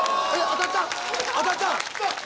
当たった？